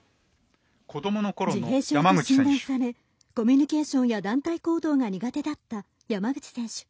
自閉症と診断されコミュニケーションや団体行動が苦手だった山口選手。